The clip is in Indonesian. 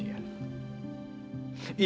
ini yang terbaik